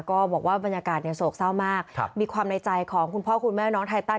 ก็บอกว่าบรรยากาศเนี่ยโศกเศร้ามากมีความในใจของคุณพ่อคุณแม่น้องไทตัน